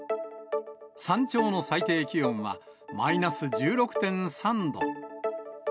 山頂の最低気温はマイナス１６．３度。